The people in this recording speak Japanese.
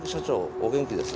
お元気です？